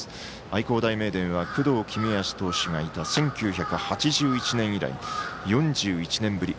愛工大名電は工藤公康投手がいた１９８１年以来４１年ぶり